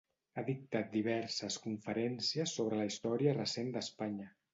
Ha dictat diverses conferències sobre la història recent d'Espanya.